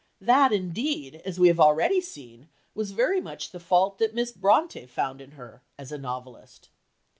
That, indeed, as we have already seen, was very much the fault that Miss Brontë found in her as a novelist.